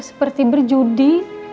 ini tak seperti berjudi